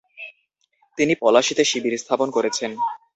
তিনি পলাশীতে শিবির স্থাপন করেছেন।